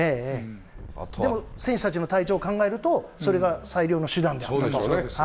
でも選手たちの体調を考えると、それが最良の手段であったと。